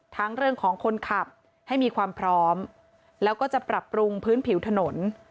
เรื่องของคนขับให้มีความพร้อมแล้วก็จะปรับปรุงพื้นผิวถนน